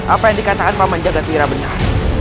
apa yang dikatakan paman jagadwira benar